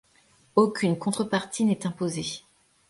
Aucune contrepartie n'est imposée.